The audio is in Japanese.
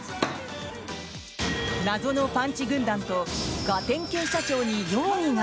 謎のパンチ軍団とガテン系社長に容疑が？